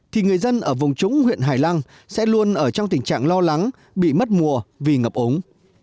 thì người dân ở vùng trúng huyện hải lăng sẽ luôn ở trong tình trạng lo lắng bị mất mùa vì ngập ống